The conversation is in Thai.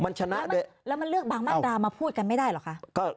แล้วมันเลือกบางมาตรามาพูดกันไม่ได้หรอคะ